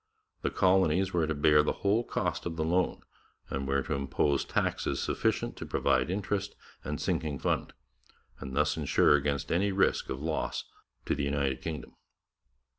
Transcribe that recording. The colonies were to bear the whole cost of the loan, and were to impose taxes sufficient to provide interest and sinking fund, and thus ensure against any risk of loss to the United Kingdom.